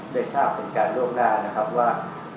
ได้ทราบเป็นการลวกหน้านะครับว่า